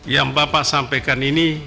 yang bapak sampaikan ini